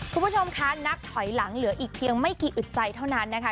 คุณผู้ชมคะนับถอยหลังเหลืออีกเพียงไม่กี่อึดใจเท่านั้นนะคะ